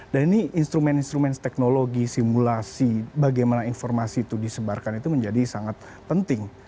dan ini instrumen instrumen teknologi simulasi bagaimana informasi itu disebarkan itu menjadi sangat penting